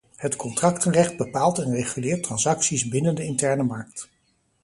Het contractenrecht bepaalt en reguleert transacties binnen de interne markt.